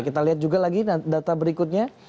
kita lihat juga lagi data berikutnya